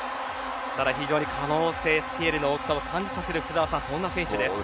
ただ非常に可能性スケールの大きさを感じさせるそんな選手です。